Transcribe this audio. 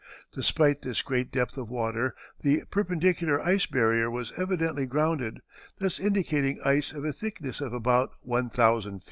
Despite this great depth of water, the perpendicular icy barrier was evidently grounded, thus indicating ice of a thickness of about one thousand feet.